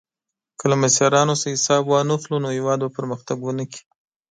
که له مشرانو څخه حساب وانخلو، نو هېواد به پرمختګ ونه کړي.